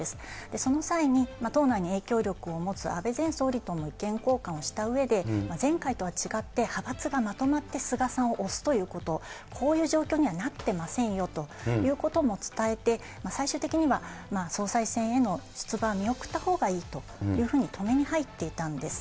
その際に、党内に影響力を持つ安倍前総理との意見交換をしたうえで、前回とは違って、派閥がまとまって菅さんを押すということ、こういう状況にはなってませんよということも伝えて、最終的には総裁選への出馬、見送ったほうがいいというふうに止めに入っていたんです。